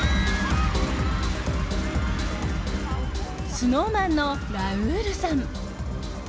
ＳｎｏｗＭａｎのラウールさん。